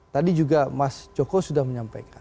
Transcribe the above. tadi juga mas joko sudah menyampaikan